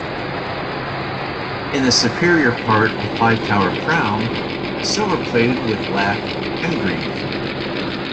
In the superior part a five tower crown, silverplated with black and green.